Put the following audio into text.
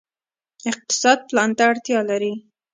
اقتصاد پلان ته اړتیا لري